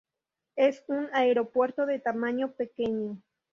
Es un aeropuerto de tamaño pequeño.